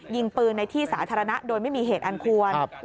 ยิงปืนในที่สาธารณะโดยไม่มีเหตุอันควร